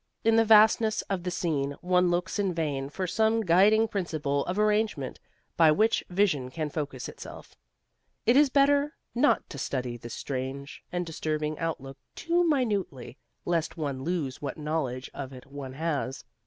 In the vastness of the scene one looks in vain for some guiding principle of arrangement by which vision can focus itself. It is better not to study this strange and disturbing outlook too minutely, lest one lose what knowledge of it one has.